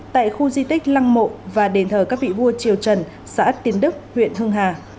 tại khu di tích lăng mộ và đền thờ các vị vua triều trần xã tiến đức huyện hưng hà